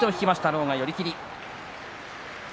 狼雅、寄り切り。